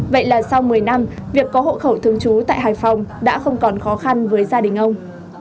vậy là sau một mươi năm việc có hộ khẩu thương chú tại hải phòng đã không còn khó khăn với gia đình ông